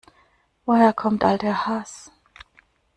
Woher kommt all der Hass?